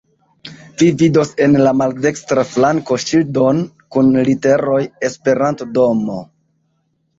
Vi vidos en la maldekstra flanko ŝildon kun literoj "Esperanto-Domo".